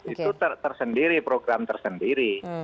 itu tersendiri program tersendiri